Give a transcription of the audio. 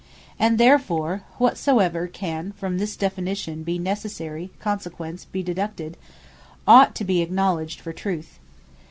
And therefore, whatsoever can from this definition by necessary consequence be deduced, ought to be acknowledged for truth.